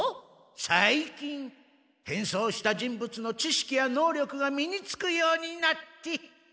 さいきん変装した人物の知識や能力が身につくようになって。